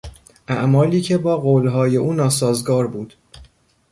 اعمالی که با قولهای او ناسازگار بود